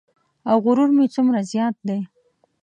او غرور مې څومره زیات دی.